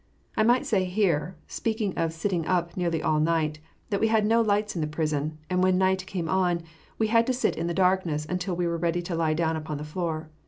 I might say here, speaking of sitting up nearly all night, that we had no lights in the prison, and when night came on, we had to sit in the darkness until we were ready to lie down upon the floor.